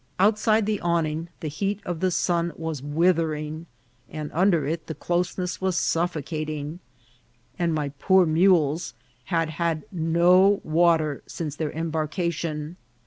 Outside the awning the heat of the sun was withering, under it the closeness was suffocating, and my poor mules had had no water since their embarcation.